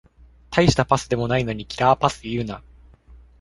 たいしたパスでもないのにキラーパス言うな